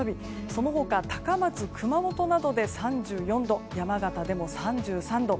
その他、高松、熊本などで３４度山形でも３３度。